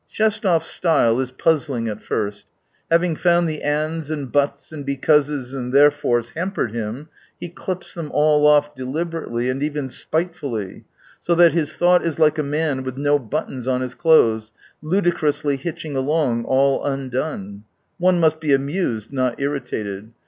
Shestov' s style is puzzling at first. Having found the " ands " and " buts " and " be causes " and " therefores " hampered him, he clips them all o^ deliberately and even spite fully, so that his thought is like a man with no buttons on his clothes, ludicrously hitching along all undone. One must be amused, not irritated.